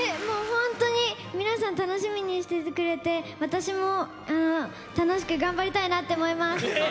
本当に皆さん楽しみにしていてくれて私も楽しく頑張りたいと思います。